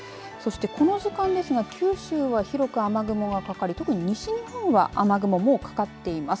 この時間ですが、九州は広く雨雲がかかり特に西日本は雨雲がかかっています。